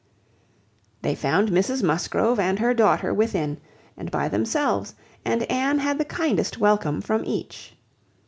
They found Mrs Musgrove and her daughter within, and by themselves, and Anne had the kindest welcome from each.